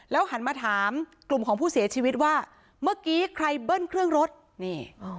หันมาถามกลุ่มของผู้เสียชีวิตว่าเมื่อกี้ใครเบิ้ลเครื่องรถนี่อ๋อ